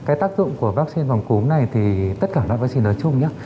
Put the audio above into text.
cái tác dụng của vaccine vòng cúng này thì tất cả loại vaccine nói chung nhé